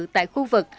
tại khu vực